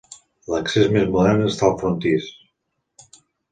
L'accés més modern està al frontis.